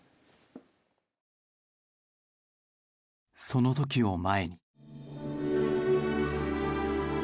その時を前に。